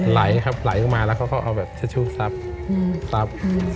ไหลครับไหลเข้ามาแล้วก็เอาแบบชัตว์สอบ